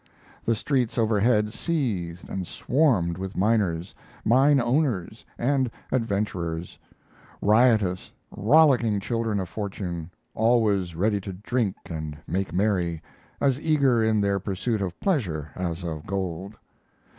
The streets overhead seethed and swarmed with miners, mine owners, and adventurers riotous, rollicking children of fortune, always ready to drink and make merry, as eager in their pursuit of pleasure as of gold.